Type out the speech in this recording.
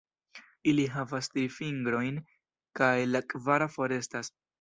Ili havas tri fingrojn, kaj la kvara forestas.